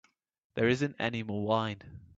There isn't any more wine.